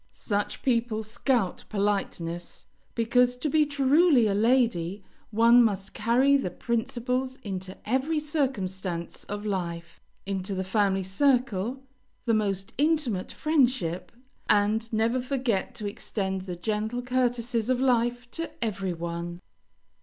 Such people scout politeness, because, to be truly a lady, one must carry the principles into every circumstance of life, into the family circle, the most intimate friendship, and never forget to extend the gentle courtesies of life to every one.